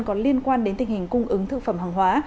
có liên quan đến tình hình cung ứng thực phẩm hàng hóa